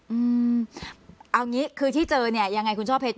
อืมเอางี้คือที่เจอเนี่ยยังไงคุณช่อเพชร